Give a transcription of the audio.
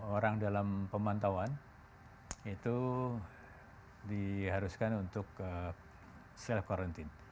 orang dalam pemantauan itu diharuskan untuk self quarantine